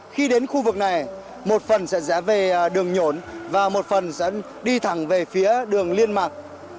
khi đến khu vực này một phần sẽ rẽ về đường nhổn và một phần sẽ đi thẳng về phía đường liên mạc